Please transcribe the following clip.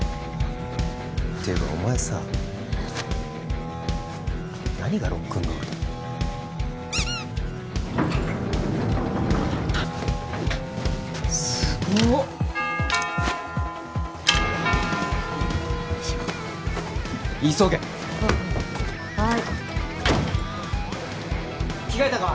ていうかお前さ何が「ロックンロール」だすごっ急げあっはい着替えたか？